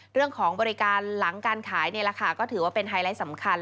เรื่องของบริการหลังการขายนี่แหละค่ะก็ถือว่าเป็นไฮไลท์สำคัญ